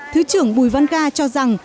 thứ trưởng bùi văn ga cho rằng